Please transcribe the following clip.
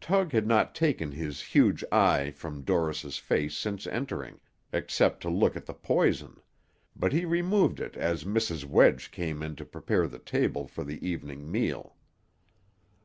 Tug had not taken his huge eye from Dorris's face since entering, except to look at the poison; but he removed it as Mrs. Wedge came in to prepare the table for the evening meal.